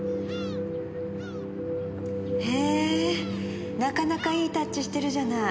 へぇなかなかいいタッチしてるじゃない。